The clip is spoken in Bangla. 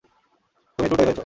তুমি দুটোই হয়েছ।